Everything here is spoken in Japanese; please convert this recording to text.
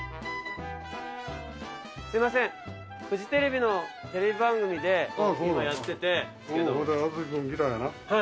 すいませんフジテレビのテレビ番組で今やってて。